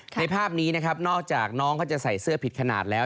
ในภาพนี้นะครับนอกจากน้องเขาจะใส่เสื้อผิดขนาดแล้ว